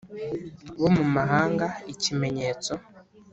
bo mu mahanga ikimenyetso.